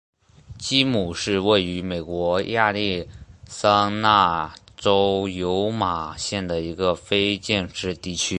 基姆是位于美国亚利桑那州尤马县的一个非建制地区。